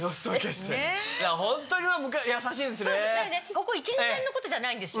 ここ１２年のことじゃないんですよ。